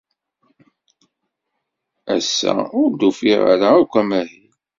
Ass-a, ur d-ufiɣ ara akk amahil.